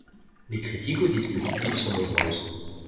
Les critiques au dispositif sont nombreuses.